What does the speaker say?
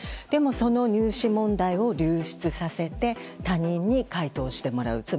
でも、その入試問題を流出させて他人に解答してもらう。